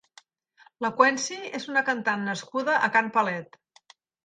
La Queency és una cantant nascuda a Can Palet.